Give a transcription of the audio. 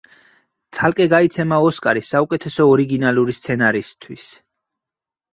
ცალკე გაიცემა ოსკარი საუკეთესო ორიგინალური სცენარისთვის.